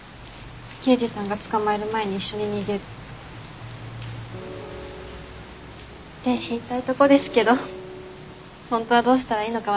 刑事さんが捕まえる前に一緒に逃げる。って言いたいとこですけど本当はどうしたらいいのか